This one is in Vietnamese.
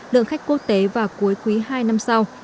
lượng khách quốc tế vào cuối quý hai năm sau